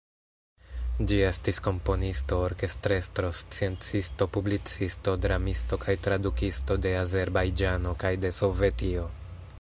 Ĝi estis komponisto, orkestrestro, sciencisto, publicisto, dramisto kaj tradukisto de Azerbajĝano kaj de Sovetio.